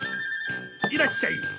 いらっしゃい！